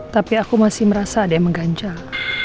tapi aku masih merasa ada yang mengganjal